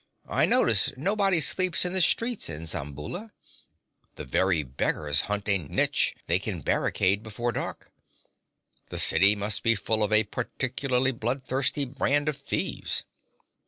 I notice nobody sleeps in the streets in Zamboula. The very beggars hunt a niche they can barricade before dark. The city must be full of a particularly blood thirsty brand of thieves.'